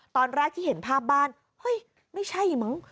ตอนแรกที่เห็นภาพบ้านเฮ้ยไม่ใช่มั้ง